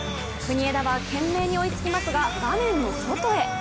国枝は懸命に追いつきますが画面の外へ。